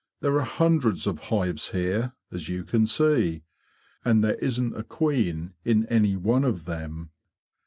There are hundreds of hives here, as you can see; and there isn't a queen in any one of them."